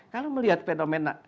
kalau melihat fenomena